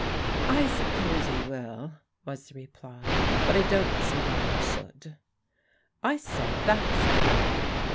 • I suppose he will/' was the reply, "but I don't see why he should/' " I say, that's cool."